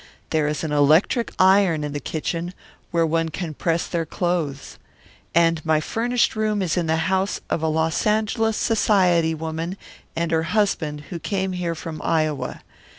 There is an electric iron in the kitchen where one can press their clothes. And my furnished room is in the house of a Los Angeles society woman and her husband who came here from Iowa.